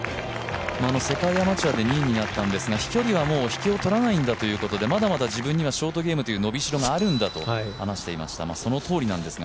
世界アマチュアで２位になったんで飛距離では負けをとらないんだとまだまだ自分にはショートゲームという伸びしろがあるんだと話していました。